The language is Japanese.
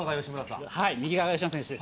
右側が吉村選手です。